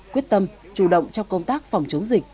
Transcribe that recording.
quyết tâm chủ động trong công tác phòng chống dịch